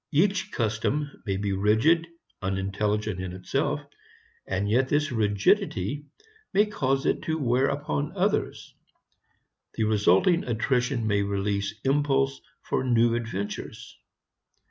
Each custom may be rigid, unintelligent in itself, and yet this rigidity may cause it to wear upon others. The resulting attrition may release impulse for new adventures.